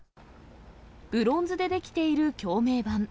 ブロンズで出来ている橋名板。